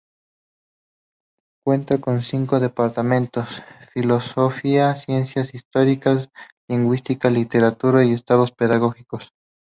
Cuenta con cinco Departamentos: Filosofía, Ciencias Históricas, Lingüística, Literatura y Estudios Pedagógicos.